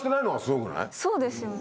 そうですよね。